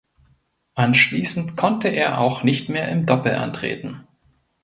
Anschließend konnte er auch nicht mehr im Doppel antreten.